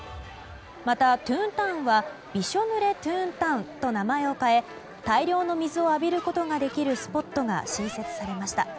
また、トゥーンタウンはびしょ濡れトゥーンタウンと名前を変え大量の水を浴びることができるスポットが新設されました。